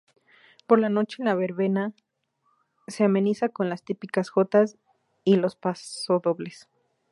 Por la noche la verbena se ameniza con las típicas Jotas y los pasodobles.